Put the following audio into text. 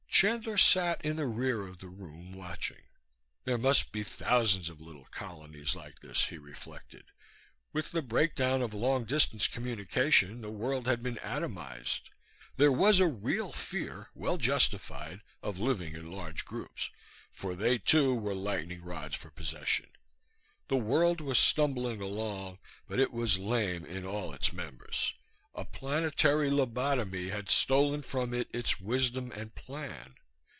Chandler sat in the rear of the room, watching. There must be thousands of little colonies like this, he reflected; with the breakdown of long distance communication the world had been atomized. There was a real fear, well justified, of living in large groups, for they too were lightning rods for possession. The world was stumbling along, but it was lame in all its members; a planetary lobotomy had stolen from it its wisdom and plan.